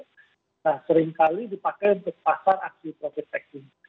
nah seringkali dipakai untuk pasar aksi profit taking